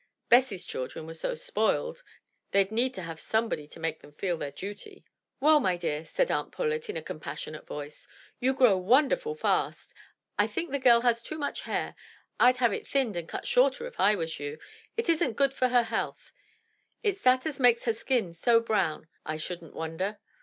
Bessy's children were so spoiled — they'd need have somebody to make them feel their duty. 221 MY BOOK HOUSE "Well, my dear," said aunt Pullet in a compassionate voice, "you grow wonderful fast. I think the gell has too much hair. Fd have it thinned and cut shorter if I was you; it isn't good for her health. It's that as makes her skin so brown, I shouldn't wonder.